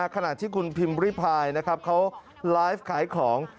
ขณะที่คุณพิมพ์ริพายนะครับเขาไลฟ์ขายของ